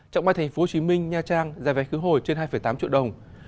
trạng bay tp hcm nha trang giá vé khứ hồi trên hai tám triệu đồng